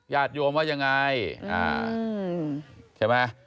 ญาติโยมว่ายังไงอ่าใช่ไหมค่ะ